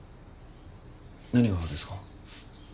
何がですか？